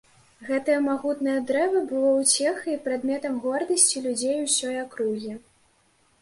Гэтае магутнае дрэва было ўцехай і прадметам гордасці людзей усёй акругі.